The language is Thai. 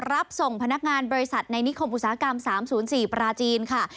รับส่งพนักงานบริษัทในนิคมอุตสาหกรรม๓๐๔ปราจีนค่ะ